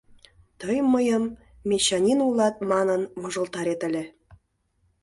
Тый мыйым, «мещанин улат» манын, вожылтарет ыле.